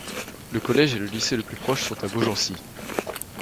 Le collège et le lycée le plus proche sont à Beaugency.